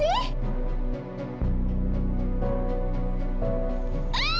enak banget rasanya we